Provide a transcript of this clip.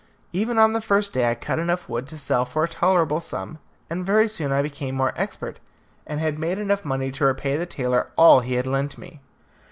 Even on the first day I cut enough wood to sell for a tolerable sum, and very soon I became more expert, and had made enough money to repay the tailor all he had lent me.